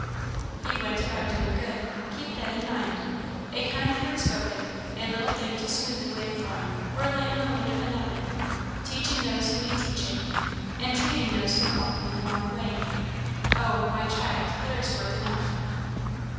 "He 'went about doing good.' Keep that in mind. A kind word spoken a little thing to smooth the way of one, or lighten the load of another teaching those who need teaching entreating those who are walking in the wrong way. Oh! my child, there is work enough!